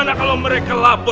nah kalau seperti itu